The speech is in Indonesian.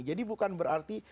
jadi bukan berarti